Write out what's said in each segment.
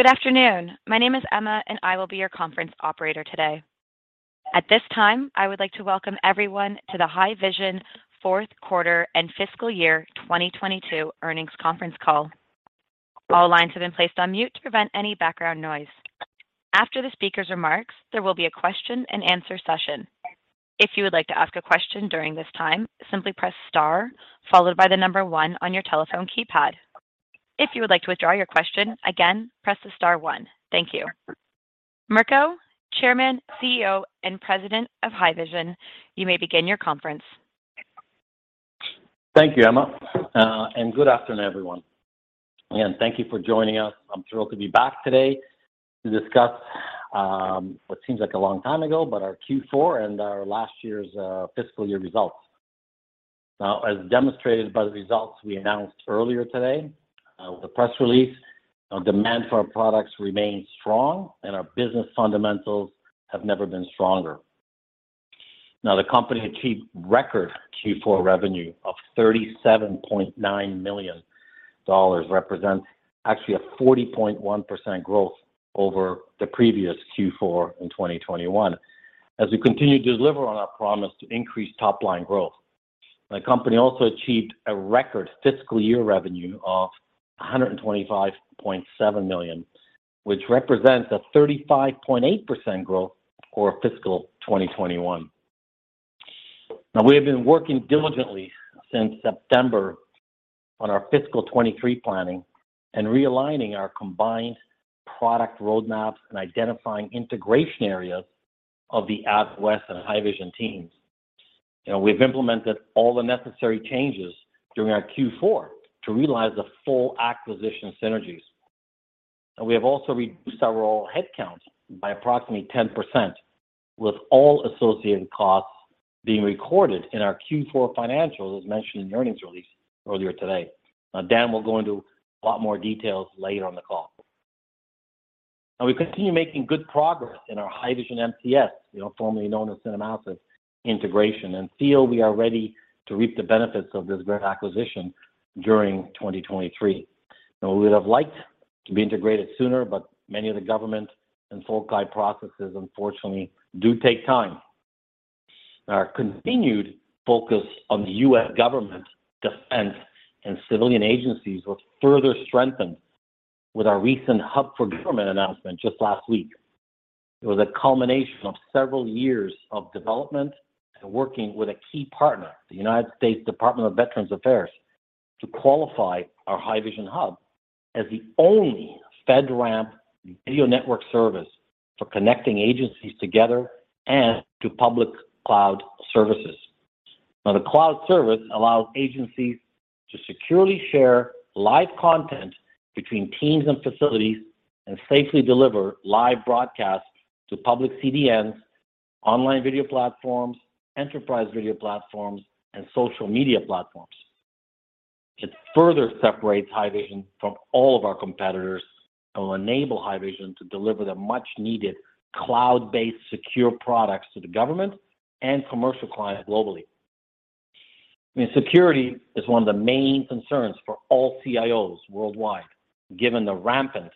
Good afternoon. My name is Emma, I will be your conference operator today. At this time, I would like to welcome everyone to the Haivision fourth quarter and fiscal year 2022 earnings conference call. All lines have been placed on mute to prevent any background noise. After the speaker's remarks, there will be a question-and-answer session. If you would like to ask a question during this time, simply press star one on your telephone keypad. If you would like to withdraw your question, again, press star one. Thank you. Mirko, Chairman, CEO, and President of Haivision, you may begin your conference. Thank you, Emma. Good afternoon, everyone. Again, thank you for joining us. I'm thrilled to be back today to discuss what seems like a long time ago, but our Q4 and our last year's fiscal year results. As demonstrated by the results we announced earlier today, with the press release, demand for our products remains strong and our business fundamentals have never been stronger. The company achieved record Q4 revenue of $37.9 million, represents actually a 40.1% growth over the previous Q4 in 2021. As we continue to deliver on our promise to increase top-line growth, the company also achieved a record fiscal year revenue of $125.7 million, which represents a 35.8% growth over fiscal 2021. We have been working diligently since September on our fiscal 2023 planning and realigning our combined product roadmaps and identifying integration areas of the Aviwest and Haivision teams. You know, we've implemented all the necessary changes during our Q4 to realize the full acquisition synergies. We have also reduced several headcounts by approximately 10%, with all associated costs being recorded in our Q4 financials, as mentioned in the earnings release earlier today. Dan will go into a lot more details later on the call. We continue making good progress in our Haivision MCS, you know, formerly known as CineMassive integration, and feel we are ready to reap the benefits of this great acquisition during 2023. We would have liked to be integrated sooner, but many of the government and processes unfortunately do take time. Our continued focus on the U.S. government defense and civilian agencies was further strengthened with our recent Haivision Hub for Government announcement just last week. It was a culmination of several years of development and working with a key partner, the United States Department of Veterans Affairs, to qualify our Haivision Hub as the only FedRAMP video network service for connecting agencies together and to public cloud services. The cloud service allows agencies to securely share live content between teams and facilities and safely deliver live broadcasts to public CDNs, online video platforms, enterprise video platforms, and social media platforms. It further separates Haivision from all of our competitors and will enable Haivision to deliver the much-needed cloud-based secure products to the government and commercial clients globally. I mean, security is one of the main concerns for all CIOs worldwide, given the rampant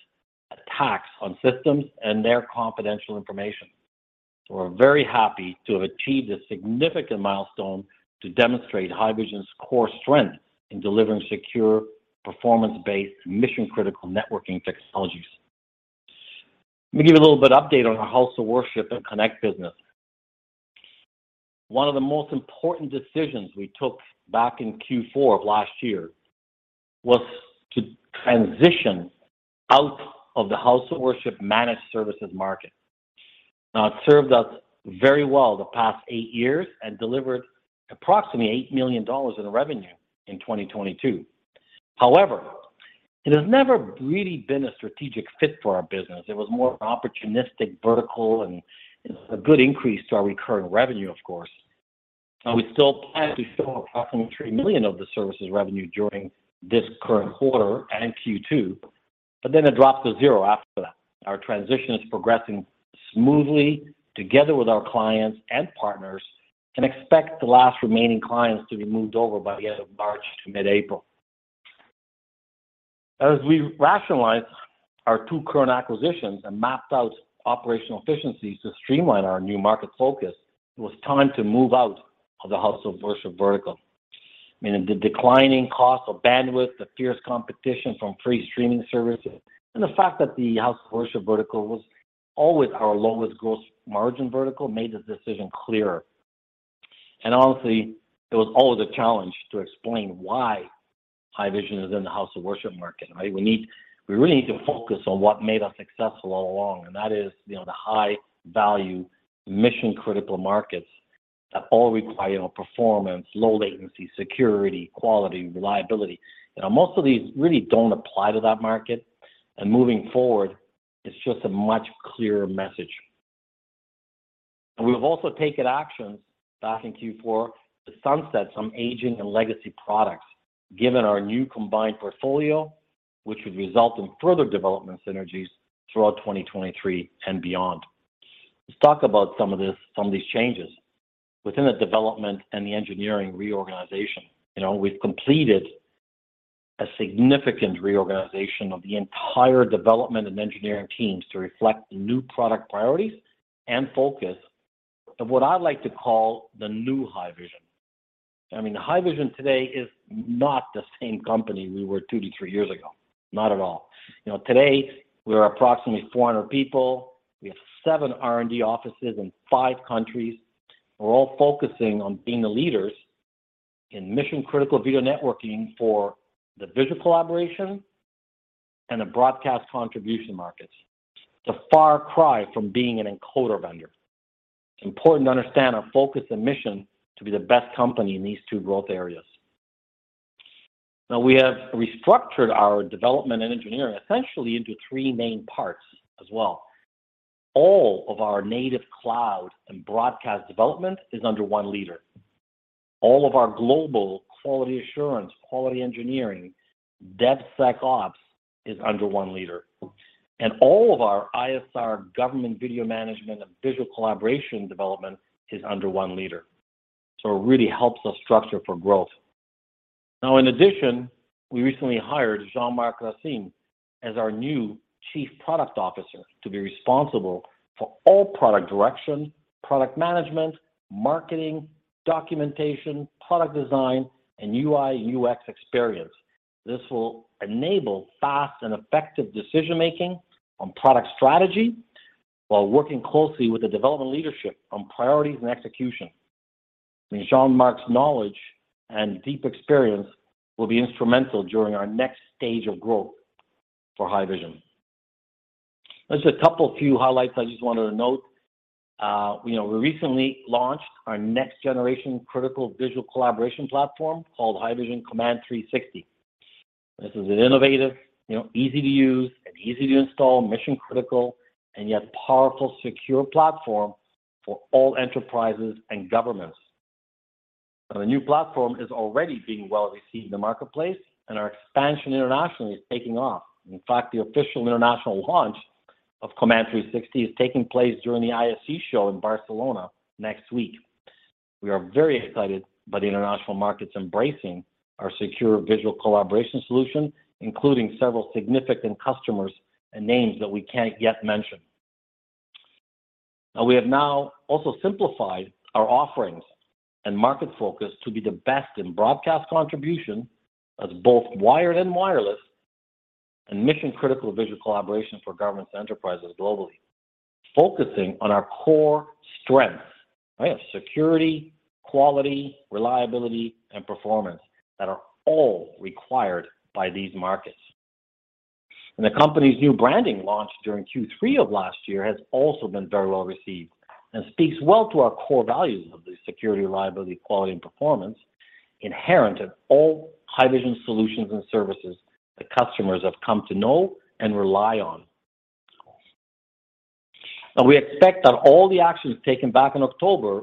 attacks on systems and their confidential information. We're very happy to have achieved a significant milestone to demonstrate Haivision's core strength in delivering secure, performance-based, mission-critical networking technologies. Let me give you a little bit of update on our House of Worship and Connect business. One of the most important decisions we took back in Q4 of last year was to transition out of the House of Worship managed services market. It served us very well the past 8 years and delivered approximately $8 million in revenue in 2022. It has never really been a strategic fit for our business. It was more opportunistic vertical and a good increase to our recurring revenue, of course. We still plan to sell approximately $3 million of the services revenue during this current quarter and in Q2, it drops to zero after that. Our transition is progressing smoothly together with our clients and partners, and expect the last remaining clients to be moved over by the end of March to mid-April. As we rationalize our two current acquisitions and mapped out operational efficiencies to streamline our new market focus, it was time to move out of the House of Worship vertical. I mean, the declining cost of bandwidth, the fierce competition from free streaming services, and the fact that the House of Worship vertical was always our lowest gross margin vertical made the decision clearer. Honestly, it was always a challenge to explain why Haivision is in the House of Worship market, right? We really need to focus on what made us successful all along, and that is, you know, the high-value mission-critical markets that all require performance, low latency, security, quality, reliability. You know, most of these really don't apply to that market. Moving forward, it's just a much clearer message. We have also taken actions back in Q4 to sunset some aging and legacy products, given our new combined portfolio, which would result in further development synergies throughout 2023 and beyond. Let's talk about some of this, some of these changes within the development and the engineering reorganization. You know, we've completed a significant reorganization of the entire development and engineering teams to reflect the new product priorities and focus of what I like to call the new Haivision. I mean, Haivision today is not the same company we were 2-3 years ago, not at all. You know, today we're approximately 400 people. We have seven R&D offices in five countries. We're all focusing on being the leaders in mission-critical video networking for the visual collaboration and the broadcast contribution markets. It's a far cry from being an encoder vendor. It's important to understand our focus and mission to be the best company in these two growth areas. Now, we have restructured our development and engineering essentially into three main parts as well. All of our native cloud and broadcast development is under one leader. All of our global quality assurance, quality engineering, DevSecOps is under one leader. All of our ISR government video management and visual collaboration development is under one leader. It really helps us structure for growth. Now in addition, we recently hired Jean-Marc Racine as our new Chief Product Officer to be responsible for all product direction, product management, marketing, documentation, product design, and UI/UX experience. This will enable fast and effective decision-making on product strategy while working closely with the development leadership on priorities and execution. Jean-Marc's knowledge and deep experience will be instrumental during our next stage of growth for Haivision. There's a couple few highlights I just wanted to note. You know, we recently launched our next-generation critical visual collaboration platform called Haivision Command 360. This is an innovative, you know, easy-to-use and easy-to-install mission critical and yet powerful, secure platform for all enterprises and governments. The new platform is already being well received in the marketplace and our expansion internationally is taking off. In fact, the official international launch of Command 360 is taking place during the ISE show in Barcelona next week. We are very excited by the international markets embracing our secure visual collaboration solution, including several significant customers and names that we can't yet mention. We have now also simplified our offerings and market focus to be the best in broadcast contribution as both wired and wireless and mission-critical visual collaboration for governments, enterprises globally, focusing on our core strengths. We have security, quality, reliability, and performance that are all required by these markets. The company's new branding launch during Q3 of last year has also been very well received and speaks well to our core values of the security, reliability, quality, and performance inherent in all Haivision solutions and services the customers have come to know and rely on. We expect that all the actions taken back in October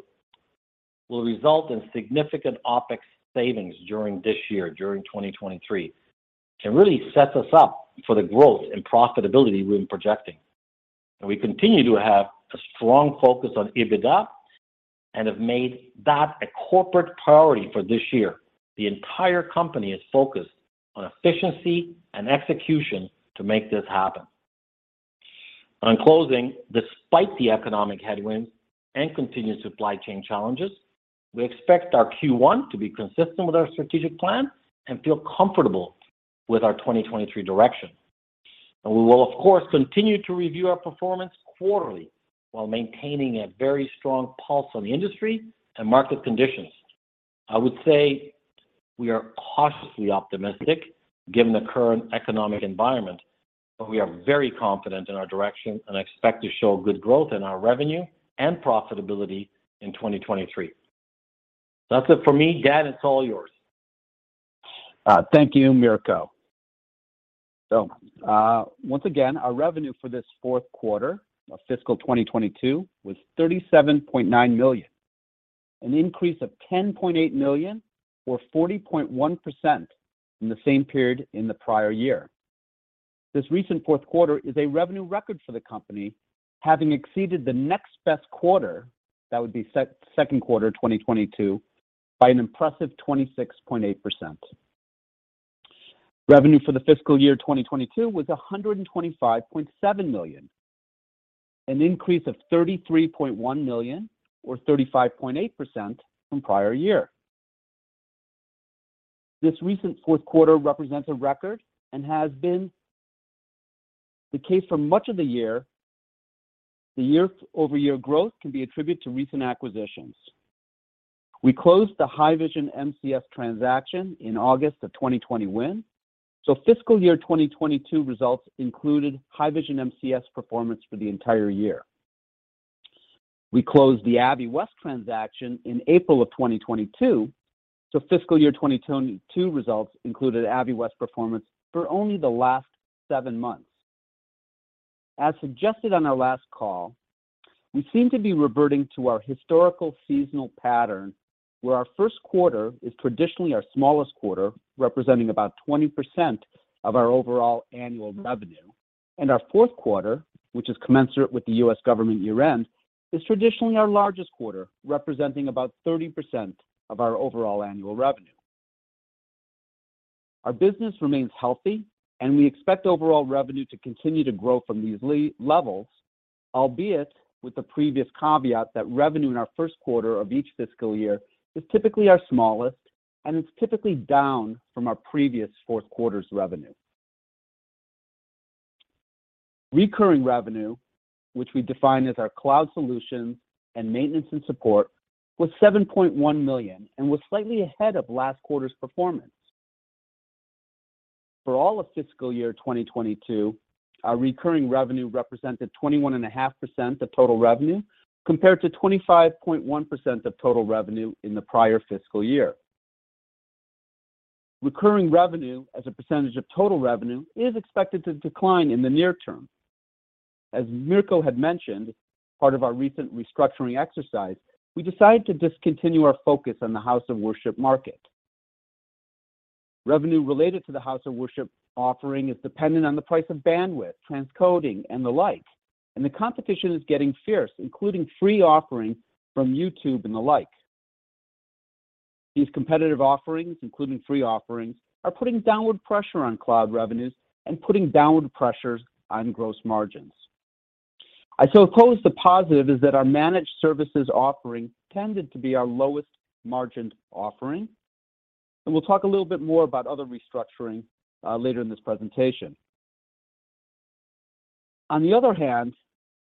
will result in significant OpEx savings during this year, during 2023, and really sets us up for the growth and profitability we've been projecting. We continue to have a strong focus on EBITDA and have made that a corporate priority for this year. The entire company is focused on efficiency and execution to make this happen. On closing, despite the economic headwinds and continued supply chain challenges, we expect our Q1 to be consistent with our strategic plan and feel comfortable with our 2023 direction. We will of course, continue to review our performance quarterly while maintaining a very strong pulse on the industry and market conditions. I would say we are cautiously optimistic given the current economic environment, but we are very confident in our direction and expect to show good growth in our revenue and profitability in 2023. That's it for me. Dan, it's all yours. Thank you, Mirko. Once again, our revenue for this fourth quarter of fiscal 2022 was $37.9 million, an increase of $10.8 million or 40.1% from the same period in the prior year. This recent fourth quarter is a revenue record for the company, having exceeded the next best quarter, that would be second quarter 2022, by an impressive 26.8%. Revenue for the fiscal year 2022 was $125.7 million, an increase of $33.1 million or 35.8% from prior year. This recent fourth quarter represents a record and has been the case for much of the year. The year-over-year growth can be attributed to recent acquisitions. We closed the Haivision MCS transaction in August of 2021. Fiscal year 2022 results included Haivision MCS performance for the entire year. We closed the Aviwest transaction in April of 2022. Fiscal year 2022 results included Aviwest performance for only the last 7 months. As suggested on our last call, we seem to be reverting to our historical seasonal pattern, where our first quarter is traditionally our smallest quarter, representing about 20% of our overall annual revenue, and our fourth quarter, which is commensurate with the U.S. government year-end, is traditionally our largest quarter, representing about 30% of our overall annual revenue. Our business remains healthy, and we expect overall revenue to continue to grow from these levels, albeit with the previous caveat that revenue in our first quarter of each fiscal year is typically our smallest, and it's typically down from our previous fourth quarter's revenue. Recurring revenue, which we define as our cloud solutions and maintenance and support, was $7.1 million and was slightly ahead of last quarter's performance. For all of fiscal year 2022, our recurring revenue represented 21.5% of total revenue, compared to 25.1% of total revenue in the prior fiscal year. Recurring revenue as a percentage of total revenue is expected to decline in the near term. As Mirko had mentioned, part of our recent restructuring exercise, we decided to discontinue our focus on the House of Worship market. Revenue related to the House of Worship offering is dependent on the price of bandwidth, transcoding, and the like. The competition is getting fierce, including free offerings from YouTube and the like. These competitive offerings, including free offerings, are putting downward pressure on cloud revenues and putting downward pressures on gross margins. I suppose the positive is that our managed services offering tended to be our lowest margined offering. We'll talk a little bit more about other restructuring later in this presentation. On the other hand,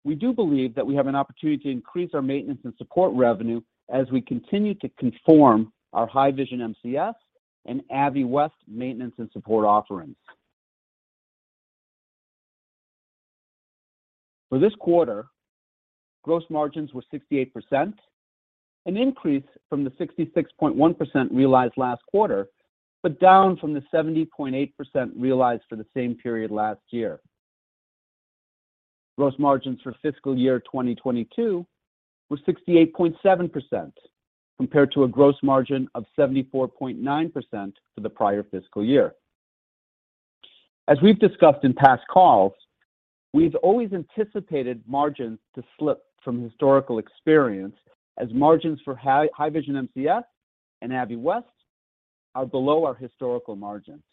we do believe that we have an opportunity to increase our maintenance and support revenue as we continue to conform our Haivision MCS and Aviwest maintenance and support offerings. For this quarter, gross margins were 68%, an increase from the 66.1% realized last quarter, down from the 70.8% realized for the same period last year. Gross margins for fiscal year 2022 were 68.7%, compared to a gross margin of 74.9% for the prior fiscal year. As we've discussed in past calls, we've always anticipated margins to slip from historical experience as margins for Haivision MCS and Aviwest are below our historical margins.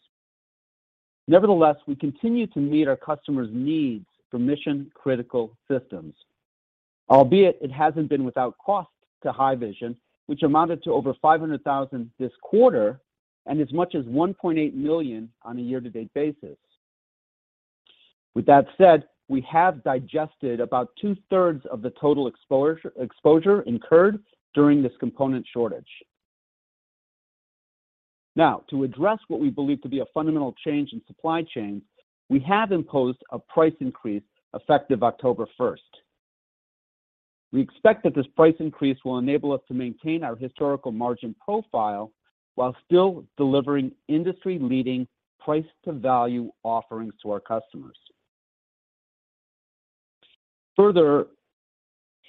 Nevertheless, we continue to meet our customers' needs for mission-critical systems. Albeit it hasn't been without cost to Haivision, which amounted to over $500,000 this quarter and as much as $1.8 million on a year-to-date basis. With that said, we have digested about two-thirds of the total exposure incurred during this component shortage. To address what we believe to be a fundamental change in supply chain, we have imposed a price increase effective October 1st. We expect that this price increase will enable us to maintain our historical margin profile while still delivering industry-leading price-to-value offerings to our customers.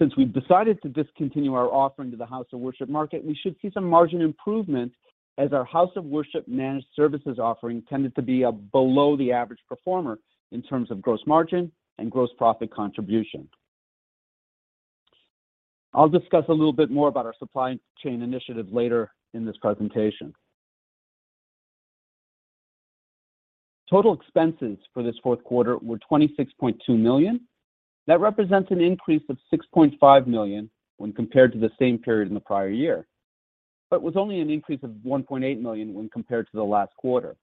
Since we've decided to discontinue our offering to the House of Worship market, we should see some margin improvement as our House of Worship managed services offering tended to be a below the average performer in terms of gross margin and gross profit contribution. I'll discuss a little bit more about our supply chain initiative later in this presentation. Total expenses for this fourth quarter were $26.2 million. That represents an increase of $6.5 million when compared to the same period in the prior year, but was only an increase of $1.8 million when compared to the last quarter.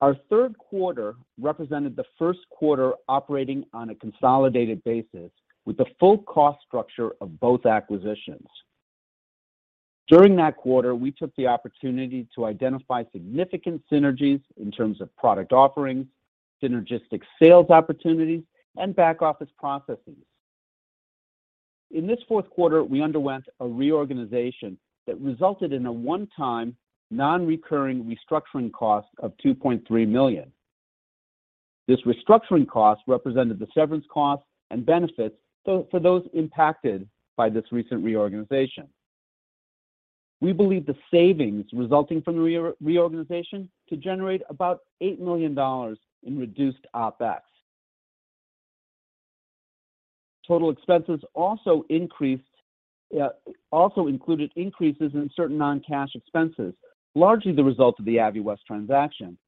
Our third quarter represented the first quarter operating on a consolidated basis with the full cost structure of both acquisitions. During that quarter, we took the opportunity to identify significant synergies in terms of product offerings, synergistic sales opportunities, and back-office processes. In this fourth quarter, we underwent a reorganization that resulted in a one-time, non-recurring restructuring cost of $2.3 million. This restructuring cost represented the severance costs and benefits for those impacted by this recent reorganization. We believe the savings resulting from the reorganization to generate about $8 million in reduced OpEx. Total expenses also increased, also included increases in certain non-cash expenses, largely the result of the Aviwest transaction.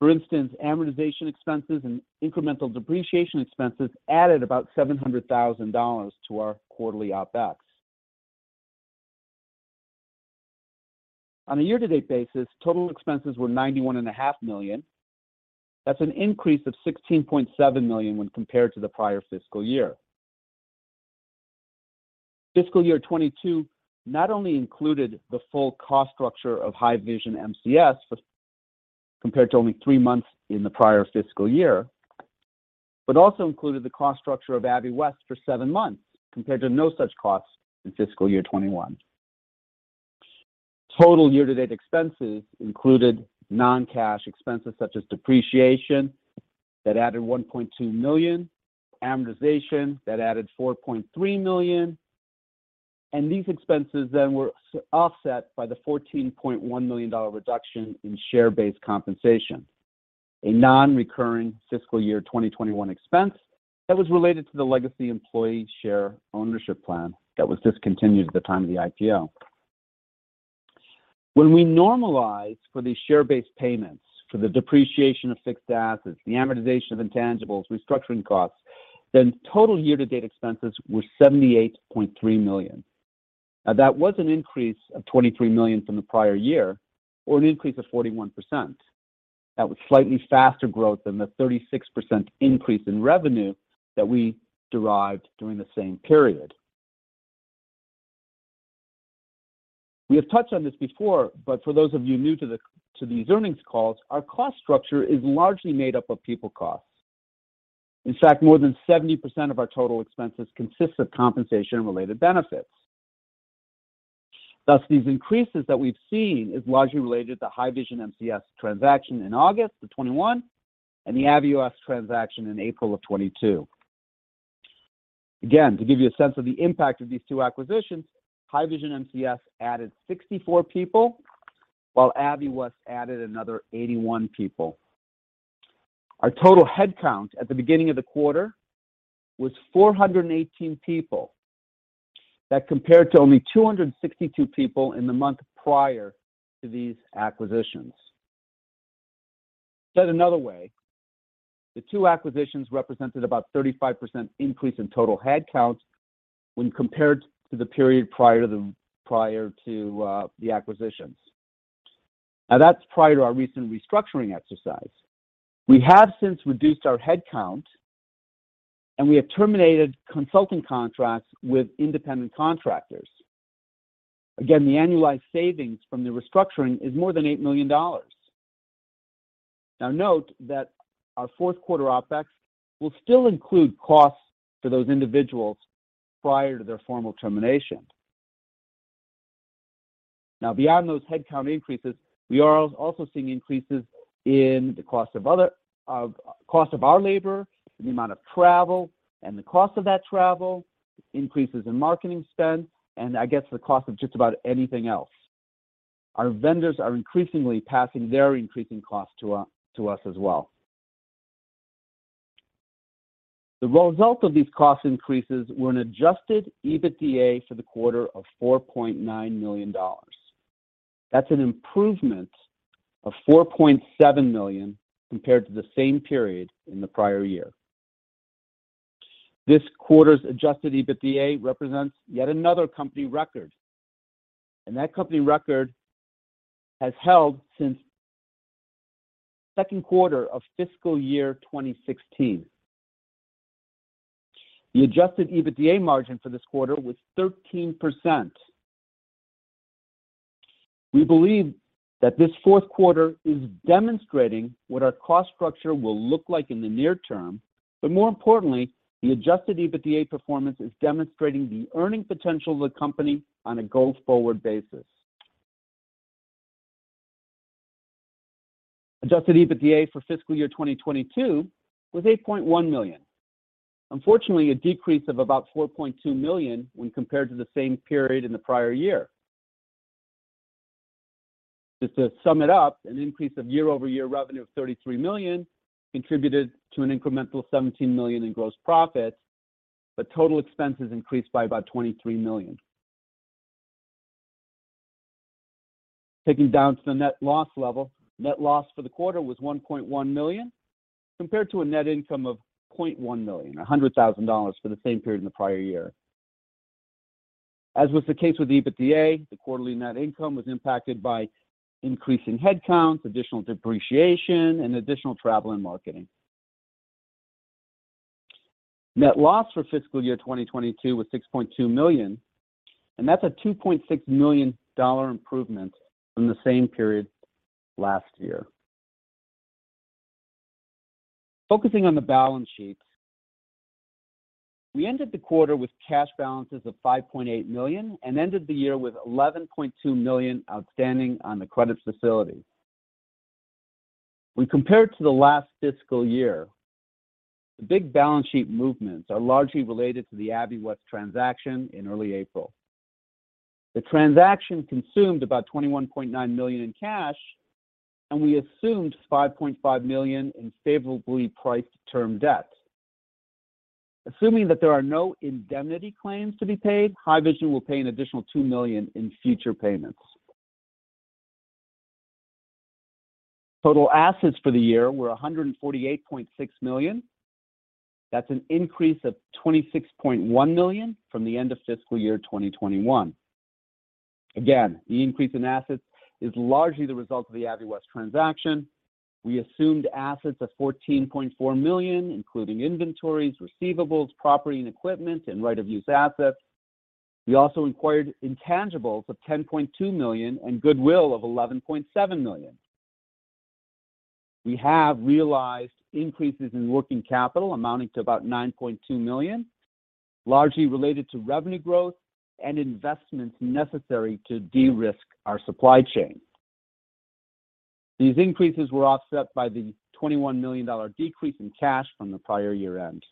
For instance, amortization expenses and incremental depreciation expenses added about $700,000 to our quarterly OpEx. On a year-to-date basis, total expenses were $91.5 million. That's an increase of $16.7 million when compared to the prior fiscal year. Fiscal year 2022 not only included the full cost structure of Haivision MCS. Compared to only 3 months in the prior fiscal year, also included the cost structure of Aviwest for seven months, compared to no such costs in fiscal year 2021. Total year-to-date expenses included non-cash expenses such as depreciation that added $1.2 million, amortization that added $4.3 million, these expenses were offset by the $14.1 million reduction in share-based compensation, a non-recurring fiscal year 2021 expense that was related to the legacy employee share ownership plan that was discontinued at the time of the IPO. When we normalize for these share-based payments, for the depreciation of fixed assets, the amortization of intangibles, restructuring costs, total year-to-date expenses were $78.3 million. That was an increase of $23 million from the prior year or an increase of 41%. That was slightly faster growth than the 36% increase in revenue that we derived during the same period. We have touched on this before, but for those of you new to these earnings calls, our cost structure is largely made up of people costs. In fact, more than 70% of our total expenses consist of compensation and related benefits. Thus, these increases that we've seen is largely related to the Haivision MCS transaction in August of 2021 and the Aviwest transaction in April of 2022. To give you a sense of the impact of these two acquisitions, Haivision MCS added 64 people, while Aviwest added another 81 people. Our total headcount at the beginning of the quarter was 418 people. That compared to only 262 people in the month prior to these acquisitions. Said another way, the two acquisitions represented about 35% increase in total headcounts when compared to the period prior to the acquisitions. That's prior to our recent restructuring exercise. We have since reduced our headcount, and we have terminated consulting contracts with independent contractors. The annualized savings from the restructuring is more than $8 million. Note that our fourth quarter OpEx will still include costs for those individuals prior to their formal termination. Beyond those headcount increases, we are also seeing increases in the cost of our labor, the amount of travel, and the cost of that travel, increases in marketing spend, and I guess the cost of just about anything else. Our vendors are increasingly passing their increasing costs to us as well. The result of these cost increases were an adjusted EBITDA for the quarter of $4.9 million. That's an improvement of $4.7 million compared to the same period in the prior year. This quarter's adjusted EBITDA represents yet another company record. That company record has held since second quarter of fiscal year 2016. The adjusted EBITDA margin for this quarter was 13%. We believe that this fourth quarter is demonstrating what our cost structure will look like in the near term. More importantly, the adjusted EBITDA performance is demonstrating the earning potential of the company on a go-forward basis. Adjusted EBITDA for fiscal year 2022 was $8.1 million. Unfortunately, a decrease of about $4.2 million when compared to the same period in the prior year. Just to sum it up, an increase of year-over-year revenue of $33 million contributed to an incremental $17 million in gross profit. Total expenses increased by about $23 million. Taking down to the net loss level, net loss for the quarter was $1.1 million, compared to a net income of $0.1 million, $100,000 for the same period in the prior year. As was the case with EBITDA, the quarterly net income was impacted by increasing headcounts, additional depreciation, and additional travel and marketing. Net loss for fiscal year 2022 was $6.2 million, That's a $2.6 million dollar improvement from the same period last year. Focusing on the balance sheet, we ended the quarter with cash balances of $5.8 million and ended the year with $11.2 million outstanding on the credit facility. When compared to the last fiscal year, the big balance sheet movements are largely related to the Aviwest transaction in early April. The transaction consumed about $21.9 million in cash, and we assumed $5.5 million in favorably priced term debt. Assuming that there are no indemnity claims to be paid, Haivision will pay an additional $2 million in future payments. Total assets for the year were $148.6 million. That's an increase of $26.1 million from the end of fiscal year 2021. Again, the increase in assets is largely the result of the Aviwest transaction. We assumed assets of $14.4 million, including inventories, receivables, property and equipment, and right of use assets. We also acquired intangibles of $10.2 million and goodwill of $11.7 million. We have realized increases in working capital amounting to about $9.2 million, largely related to revenue growth and investments necessary to de-risk our supply chain. These increases were offset by the $21 million decrease in cash from the prior year-end.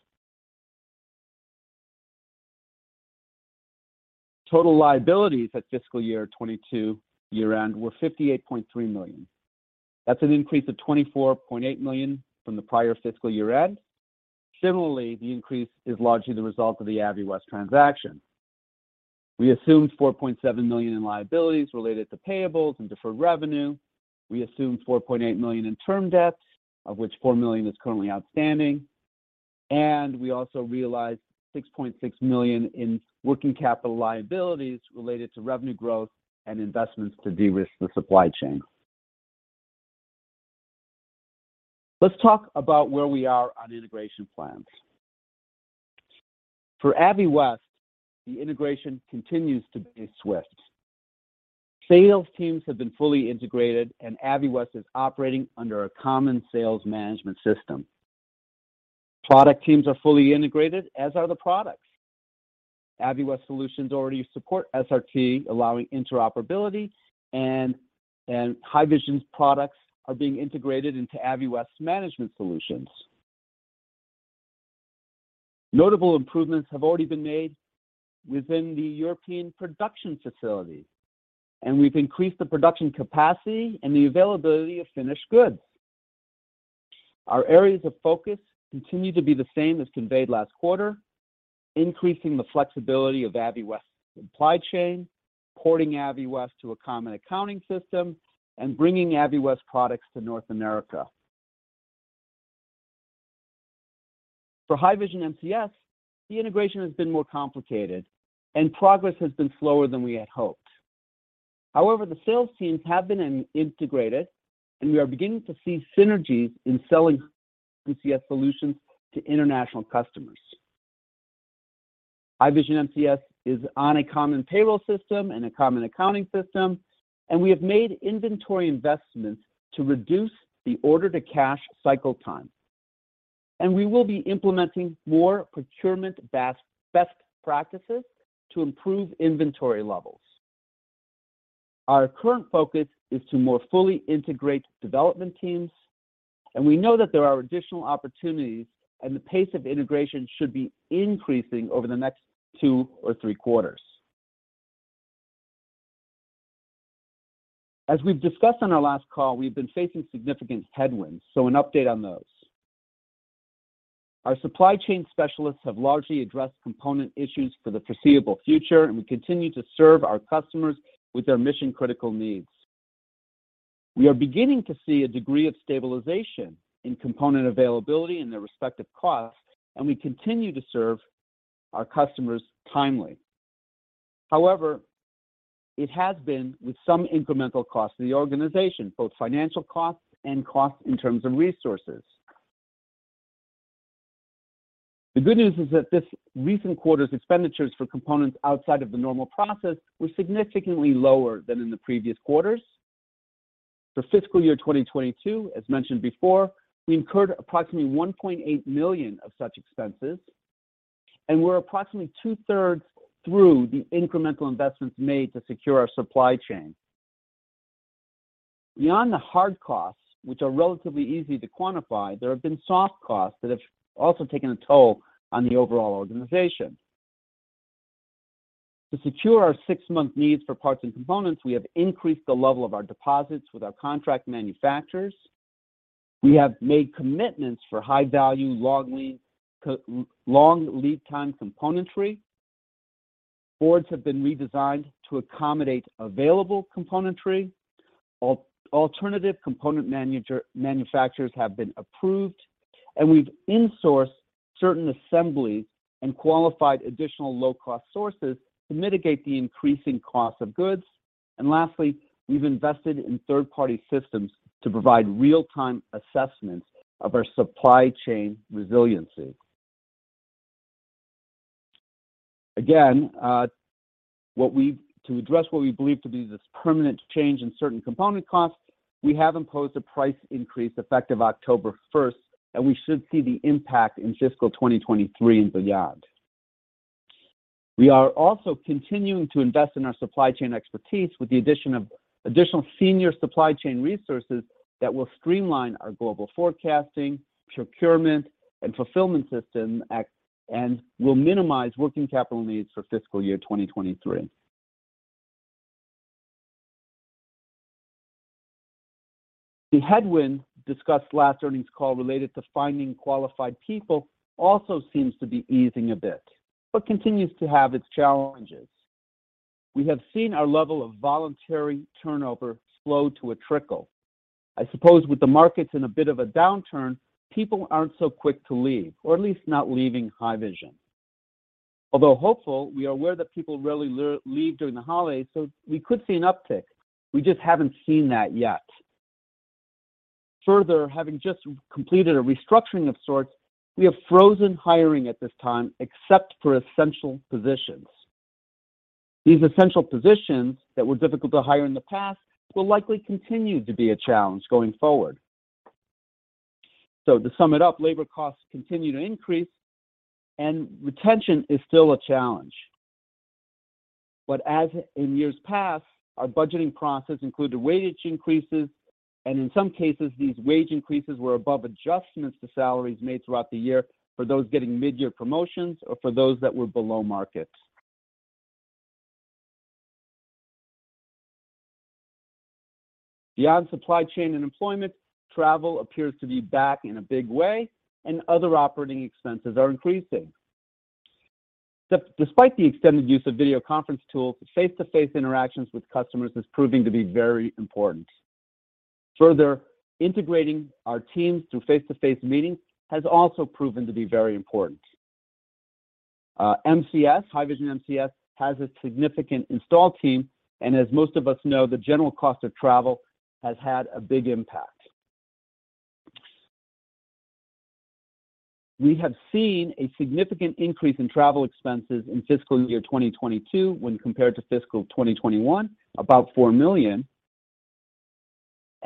Total liabilities at fiscal year 2022 year-end were $58.3 million. That's an increase of $24.8 million from the prior fiscal year-end. Similarly, the increase is largely the result of the Aviwest transaction. We assumed $4.7 million in liabilities related to payables and deferred revenue. We assumed $4.8 million in term debts, of which $4 million is currently outstanding. We also realized $6.6 million in working capital liabilities related to revenue growth and investments to de-risk the supply chain. Let's talk about where we are on integration plans. For Aviwest, the integration continues to be swift. Sales teams have been fully integrated, and Aviwest is operating under a common sales management system. Product teams are fully integrated, as are the products. Aviwest solutions already support SRT, allowing interoperability, and Haivision's products are being integrated into Aviwest's management solutions. Notable improvements have already been made within the European production facility, and we've increased the production capacity and the availability of finished goods. Our areas of focus continue to be the same as conveyed last quarter, increasing the flexibility of Aviwest's supply chain, porting Aviwest to a common accounting system, and bringing Aviwest products to North America. For Haivision MCS, the integration has been more complicated, and progress has been slower than we had hoped. The sales teams have been integrated, and we are beginning to see synergies in selling MCS solutions to international customers. Haivision MCS is on a common payroll system and a common accounting system, and we have made inventory investments to reduce the order-to-cash cycle time. We will be implementing more procurement best practices to improve inventory levels. Our current focus is to more fully integrate development teams, and we know that there are additional opportunities, and the pace of integration should be increasing over the next two or three quarters. As we've discussed on our last call, we've been facing significant headwinds, an update on those. Our supply chain specialists have largely addressed component issues for the foreseeable future, and we continue to serve our customers with their mission-critical needs. We are beginning to see a degree of stabilization in component availability and their respective costs. We continue to serve our customers timely. However, it has been with some incremental cost to the organization, both financial costs and costs in terms of resources. The good news is that this recent quarter's expenditures for components outside of the normal process were significantly lower than in the previous quarters. For fiscal year 2022, as mentioned before, we incurred approximately $1.8 million of such expenses. We're approximately two-thirds through the incremental investments made to secure our supply chain. Beyond the hard costs, which are relatively easy to quantify, there have been soft costs that have also taken a toll on the overall organization. To secure our 6-month needs for parts and components, we have increased the level of our deposits with our contract manufacturers. We have made commitments for high-value, long lead time componentry. Boards have been redesigned to accommodate available componentry. Alternative component manufacturers have been approved. We've insourced certain assemblies and qualified additional low-cost sources to mitigate the increasing cost of goods. Lastly, we've invested in third-party systems to provide real-time assessments of our supply chain resiliency. Again, to address what we believe to be this permanent change in certain component costs, we have imposed a price increase effective October 1st, and we should see the impact in fiscal 2023 in the yard. We are also continuing to invest in our supply chain expertise with the addition of additional senior supply chain resources that will streamline our global forecasting, procurement, and fulfillment system and will minimize working capital needs for fiscal year 2023. The headwind discussed last earnings call related to finding qualified people also seems to be easing a bit but continues to have its challenges. We have seen our level of voluntary turnover slow to a trickle. I suppose with the markets in a bit of a downturn, people aren't so quick to leave, or at least not leaving Haivision. Although hopeful, we are aware that people rarely leave during the holidays, so we could see an uptick. We just haven't seen that yet. Further, having just completed a restructuring of sorts, we have frozen hiring at this time except for essential positions. These essential positions that were difficult to hire in the past will likely continue to be a challenge going forward. To sum it up, labor costs continue to increase, and retention is still a challenge. As in years past, our budgeting process included wage increases, and in some cases, these wage increases were above adjustments to salaries made throughout the year for those getting mid-year promotions or for those that were below market. Beyond supply chain and employment, travel appears to be back in a big way, and other operating expenses are increasing. Despite the extended use of video conference tools, face-to-face interactions with customers is proving to be very important. Further, integrating our teams through face-to-face meetings has also proven to be very important. MCS, Haivision MCS, has a significant install team, and as most of us know, the general cost of travel has had a big impact. We have seen a significant increase in travel expenses in fiscal year 2022 when compared to fiscal 2021, about $4 million.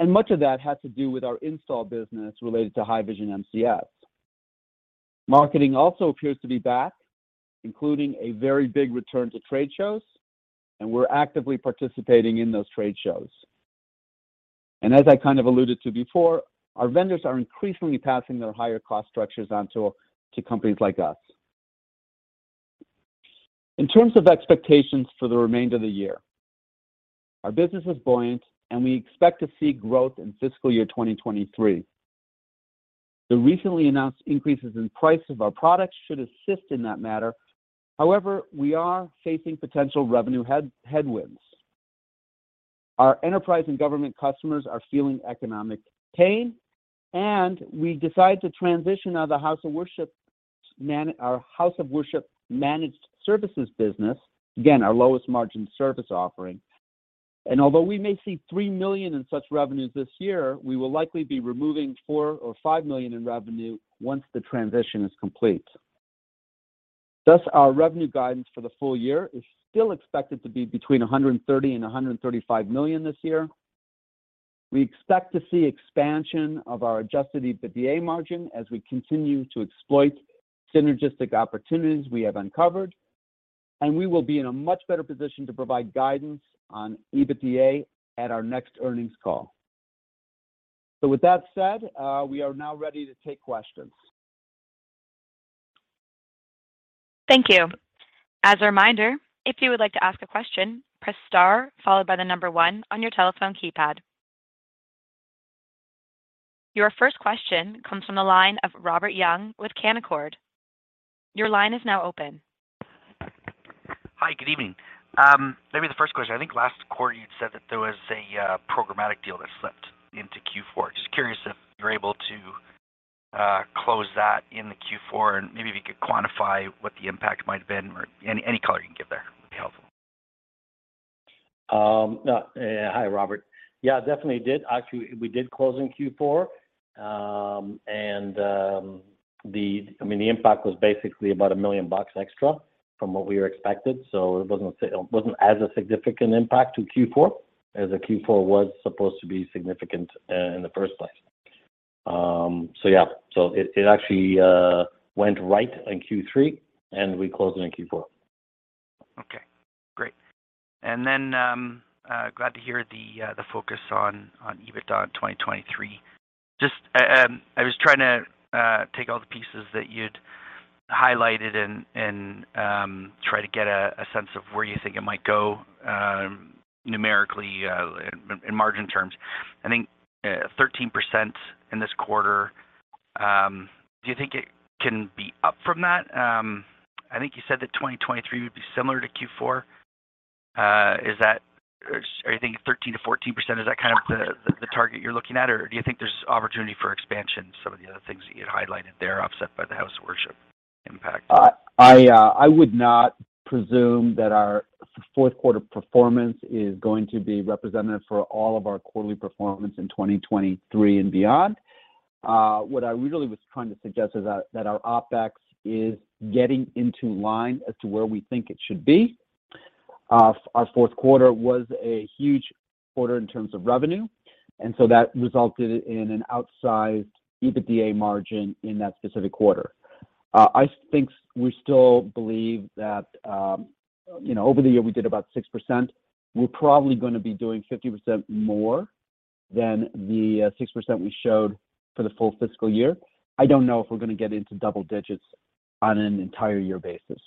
Much of that has to do with our install business related to Haivision MCS. Marketing also appears to be back, including a very big return to trade shows, and we're actively participating in those trade shows. As I kind of alluded to before, our vendors are increasingly passing their higher cost structures onto companies like us. In terms of expectations for the remainder of the year, our business is buoyant, and we expect to see growth in fiscal year 2023. The recently announced increases in price of our products should assist in that matter. However, we are facing potential revenue headwinds. Our enterprise and government customers are feeling economic pain, and we decide to transition out of our House of Worship managed services business, again, our lowest margin service offering. Although we may see $3 million in such revenues this year, we will likely be removing $4 million or $5 million in revenue once the transition is complete. Our revenue guidance for the full year is still expected to be between $130 million and $135 million this year. We expect to see expansion of our adjusted EBITDA margin as we continue to exploit synergistic opportunities we have uncovered, and we will be in a much better position to provide guidance on EBITDA at our next earnings call. With that said, we are now ready to take questions. Thank you. As a reminder, if you would like to ask a question, press star followed by one on your telephone keypad. Your first question comes from the line of Robert Young with Canaccord. Your line is now open. Hi, good evening. Maybe the first question, I think last quarter you said that there was a programmatic deal that slipped into Q4. Just curious if you're able to close that in the Q4, and maybe if you could quantify what the impact might have been or any color you can give there would be helpful. Hi, Robert. Yeah, definitely did. Actually, we did close in Q4. I mean, the impact was basically about $1 million extra from what we were expected. It wasn't as a significant impact to Q4 as a Q4 was supposed to be significant in the first place. Yeah. It actually went right in Q3, and we closed it in Q4. Okay, great. Then, glad to hear the focus on EBITDA in 2023. Just, I was trying to take all the pieces that you'd highlighted and, try to get a sense of where you think it might go, numerically, in margin terms. I think, 13% in this quarter. Do you think it can be up from that? I think you said that 2023 would be similar to Q4. Are you thinking 13%-14%? Is that kind of the target you're looking at, or do you think there's opportunity for expansion, some of the other things that you had highlighted there offset by the House of Worship impact? I would not presume that our fourth quarter performance is going to be representative for all of our quarterly performance in 2023 and beyond. What I really was trying to suggest is that our OpEx is getting into line as to where we think it should be. Our fourth quarter was a huge quarter in terms of revenue, and so that resulted in an outsized EBITDA margin in that specific quarter. I think we still believe that, you know, over the year, we did about 6%. We're probably gonna be doing 50% more than the 6% we showed for the full fiscal year. I don't know if we're gonna get into double digits on an entire year basis.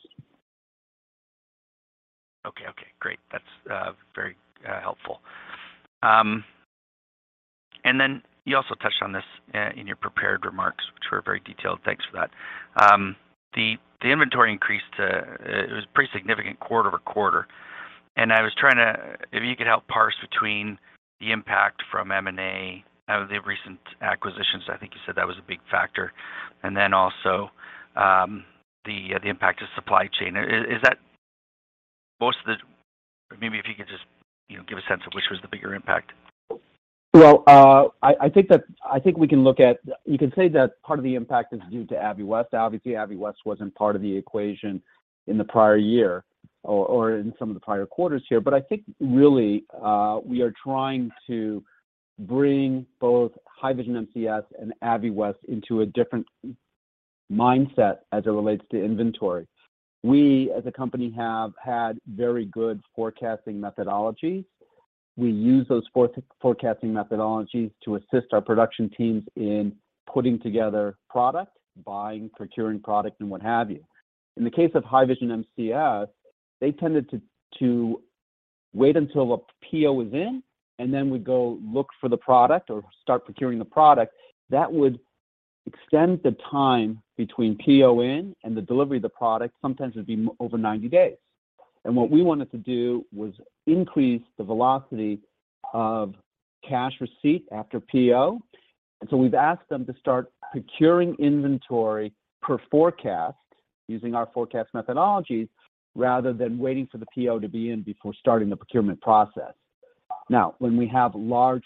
Okay. Okay, great. That's very helpful. You also touched on this in your prepared remarks, which were very detailed. Thanks for that. The inventory increase to it was pretty significant quarter-over-quarter. If you could help parse between the impact from M&A out of the recent acquisitions, I think you said that was a big factor, and also the impact of supply chain. Is that most of the? Maybe if you could just, you know, give a sense of which was the bigger impact. Well, I think we can look at. You can say that part of the impact is due to Aviwest. Obviously, Aviwest wasn't part of the equation in the prior year or in some of the prior quarters here. I think really, we are trying to bring both Haivision MCS and Aviwest into a different mindset as it relates to inventory. We, as a company, have had very good forecasting methodologies. We use those forecasting methodologies to assist our production teams in putting together product, buying, procuring product, and what have you. In the case of Haivision MCS, they tended to wait until a PO was in, and then we go look for the product or start procuring the product. That would extend the time between PO in and the delivery of the product, sometimes it'd be over 90 days. What we wanted to do was increase the velocity of cash receipt after PO. We've asked them to start procuring inventory per forecast using our forecast methodologies rather than waiting for the PO to be in before starting the procurement process. When we have large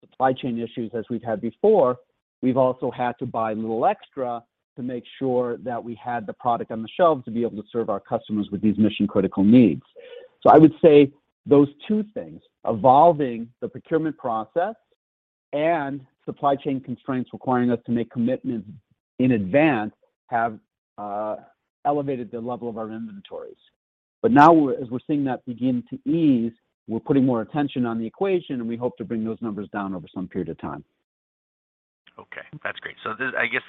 supply chain issues as we've had before, we've also had to buy a little extra to make sure that we had the product on the shelves to be able to serve our customers with these mission-critical needs. I would say those two things, evolving the procurement process and supply chain constraints requiring us to make commitments in advance, have elevated the level of our inventories. Now as we're seeing that begin to ease, we're putting more attention on the equation, and we hope to bring those numbers down over some period of time. Okay, that's great. This, I guess,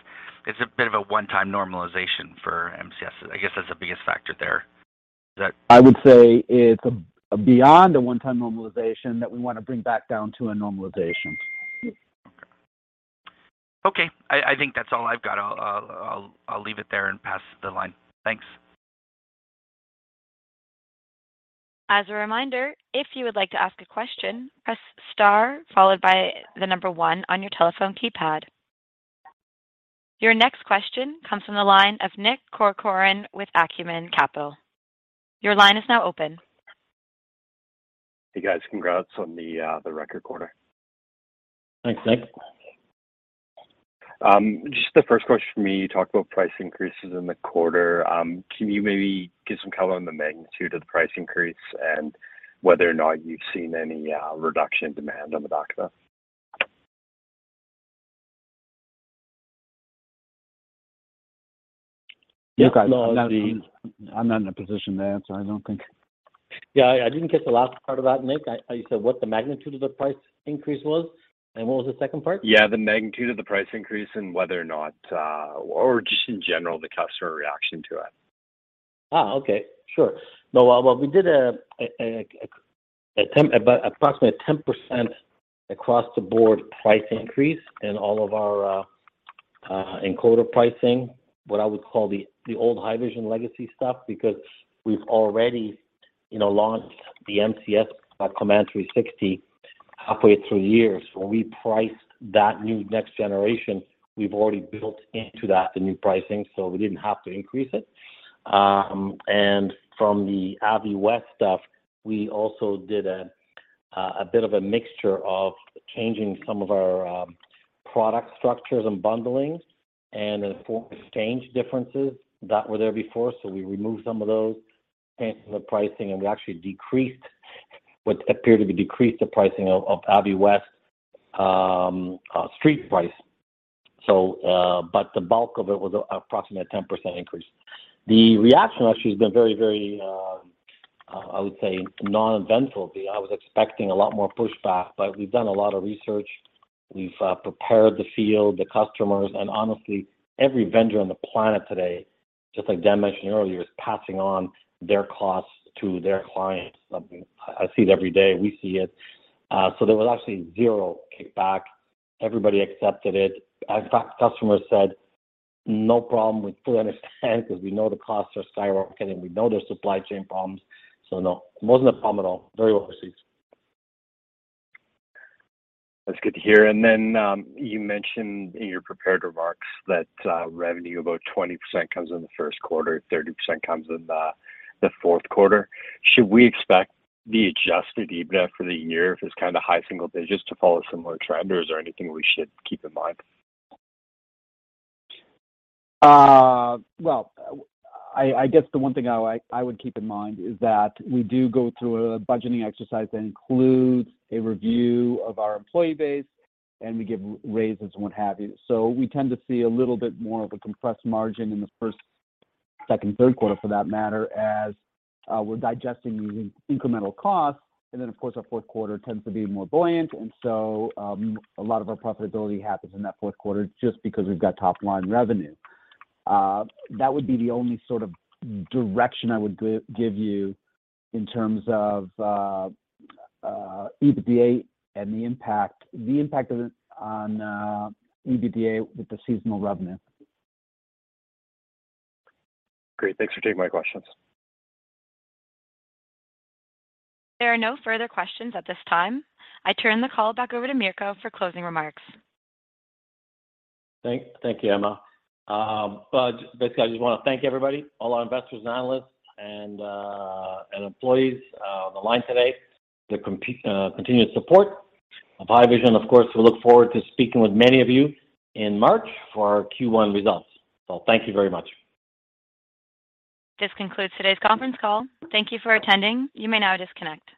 is a bit of a one-time normalization for MCS. I guess that's the biggest factor there. I would say it's a, beyond a one-time normalization that we wanna bring back down to a normalization. Okay. I think that's all I've got. I'll leave it there and pass the line. Thanks. As a reminder, if you would like to ask a question, press star followed by star on your telephone keypad. Your next question comes from the line of Nick Corcoran with Acumen Capital. Your line is now open. Hey, guys. Congrats on the record quarter. Thanks, Nick. Just the first question for me, you talked about price increases in the quarter. Can you maybe give some color on the magnitude of the price increase and whether or not you've seen any reduction in demand on the back of that? You guys, I'm not in a position to answer, I don't think. Yeah. I didn't catch the last part of that, Nick. I You said what the magnitude of the price increase was, and what was the second part? Yeah, the magnitude of the price increase and whether or not, or just in general, the customer reaction to it. Okay. Sure. No, well, we did about approximately 10% across the board price increase in all of our encoder pricing, what I would call the old Haivision legacy stuff, because we've already, you know, launched the MCS Command 360 halfway through the year. We priced that new next generation. We've already built into that, the new pricing, so we didn't have to increase it. From the Aviwest stuff, we also did a bit of a mixture of changing some of our product structures and bundling and then foreign exchange differences that were there before. We removed some of those exchanges of pricing, and we actually decreased what appeared to be decreased the pricing of Aviwest street price. The bulk of it was a approximate 10% increase. The reaction actually has been very, very, I would say non-eventful. I was expecting a lot more pushback, but we've done a lot of research. We've prepared the field, the customers, and honestly, every vendor on the planet today, just like Dan mentioned earlier, is passing on their costs to their clients. I see it every day. We see it. There was actually zero kickback. Everybody accepted it. In fact, customers said, "No problem. We fully understand 'cause we know the costs are skyrocketing. We know there's supply chain problems." No, it wasn't a problem at all. Very well received. That's good to hear. You mentioned in your prepared remarks that revenue about 20% comes in the first quarter, 30% comes in the fourth quarter. Should we expect the adjusted EBITDA for the year, if it's kinda high single digits, to follow similar trend, or is there anything we should keep in mind? Well, I guess the one thing I would keep in mind is that we do go through a budgeting exercise that includes a review of our employee base, and we give raises and what have you. We tend to see a little bit more of a compressed margin in the first, second, third quarter for that matter, as we're digesting these incremental costs. Of course, our fourth quarter tends to be more buoyant. A lot of our profitability happens in that fourth quarter just because we've got top-line revenue. That would be the only sort of direction I would give you in terms of EBITDA and the impact of it on EBITDA with the seasonal revenue. Great. Thanks for taking my questions. There are no further questions at this time. I turn the call back over to Mirko for closing remarks. Thank you, Emma. Basically, I just wanna thank everybody, all our investors and analysts and employees on the line today for continuous support of Haivision, of course. We look forward to speaking with many of you in March for our Q1 results. Thank you very much. This concludes today's conference call. Thank you for attending. You may now disconnect.